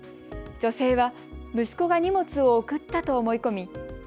女性は息子が荷物を送ったと思い込み